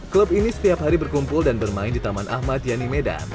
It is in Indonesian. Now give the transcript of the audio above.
klub ini setiap hari berkumpul dan bermain di taman ahmad yani medan